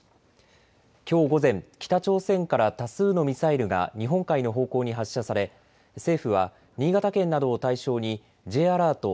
きょう午前、北朝鮮から多数のミサイルが日本海の方向に発射され政府は新潟県などを対象にＪアラート